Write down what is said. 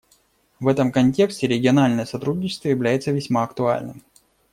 В этом контексте региональное сотрудничество является весьма актуальным.